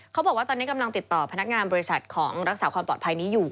เขาบอกว่าตอนนี้กำลังติดต่อพนักงานบริษัทของรักษาความปลอดภัยนี้อยู่